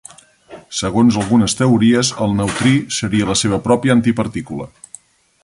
Segons algunes teories, el neutrí seria la seva pròpia antipartícula.